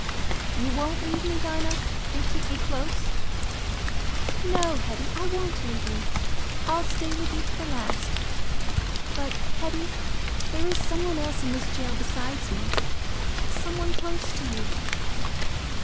"You won't leave me, Dinah? You'll keep close to me?" "No, Hetty, I won't leave you. I'll stay with you to the last.... But, Hetty, there is some one else in this cell besides me, some one close to you."